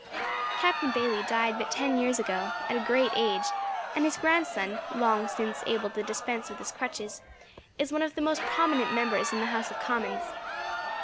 Captain Bayley died but ten years ago, at a great age, and his grandson, long since able to dispense with his crutches, is one of the most prominent members in the House of Commons.